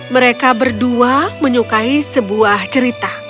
mereka berdua menyukai sebuah cerita